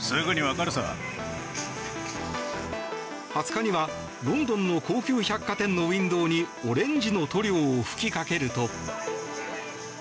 ２０日にはロンドンの高級百貨店のウィンドーにオレンジの塗料を吹きかけると。